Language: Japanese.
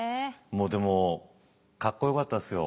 でもかっこよかったですよ